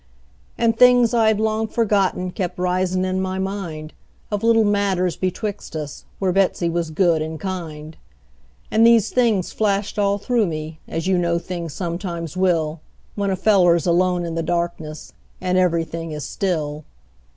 And things I had long forgotten kept risin' in my mind, Of little matters betwixt us, where Betsey was good and kind; And these things flashed all through me, as you know things sometimes will When a feller's alone in the darkness, and every thing is still.